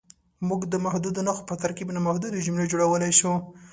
موږ د محدودو نښو په ترکیب نامحدودې جملې جوړولی شو.